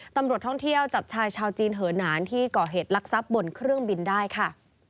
ตำรวจท่องเที่ยวจับชายชาวจีนเหินหนานที่ก่อเหตุลักษัพบนเครื่องบินได้ค่ะ